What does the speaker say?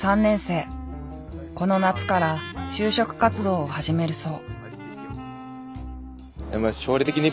この夏から就職活動を始めるそう。